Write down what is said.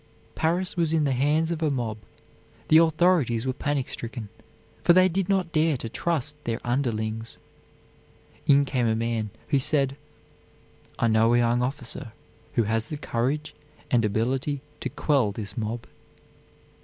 Paris was in the hands of a mob, the authorities were panic stricken, for they did not dare to trust their underlings. In came a man who said, "I know a young officer who has the courage and ability to quell this mob."